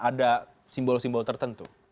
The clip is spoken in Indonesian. ada simbol simbol tertentu